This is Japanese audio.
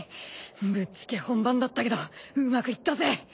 ぶっつけ本番だったけどうまくいったぜ。